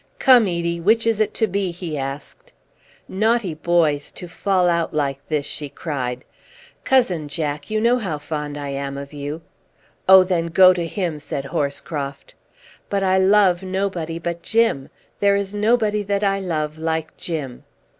"Come, Edie! which is it to be?" he asked. "Naughty boys, to fall out like this!" she cried. "Cousin Jack, you know how fond I am of you." "Oh, then go to him!" said Horscroft. "But I love nobody but Jim. There is nobody that I love like Jim."